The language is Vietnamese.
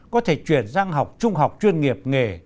có thể chuyển sang học trung học chuyên nghiệp nghề